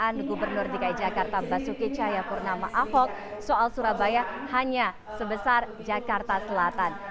pernyataan gubernur dki jakarta basuki cahayapurnama ahok soal surabaya hanya sebesar jakarta selatan